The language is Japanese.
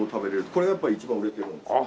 これがやっぱり一番売れてるんですよね。